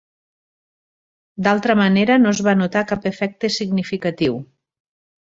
D'altra manera, no es va notar cap efecte significatiu.